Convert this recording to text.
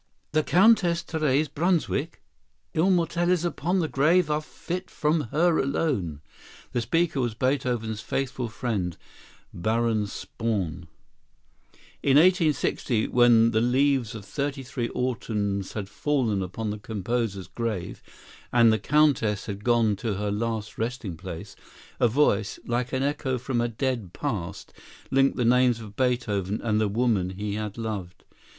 "The Countess Therese Brunswick! Immortelles upon this grave are fit from her alone." The speaker was Beethoven's faithful friend, Baron Spaun. In 1860, when the leaves of thirty three autumns had fallen upon the composer's grave and the Countess had gone to her last resting place, a voice, like an echo from a dead past, linked the names of Beethoven and the woman he had loved.